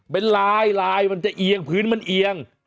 เป็นลายลายมันจะเอียงพื้นมันเอียง